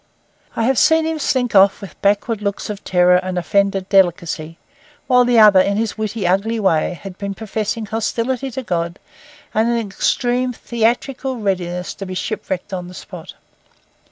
I have seen him slink off with backward looks of terror and offended delicacy, while the other, in his witty, ugly way, had been professing hostility to God, and an extreme theatrical readiness to be shipwrecked on the spot.